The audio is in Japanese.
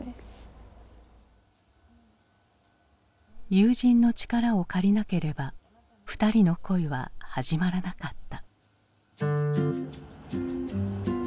友人の力を借りなければ２人の恋は始まらなかった。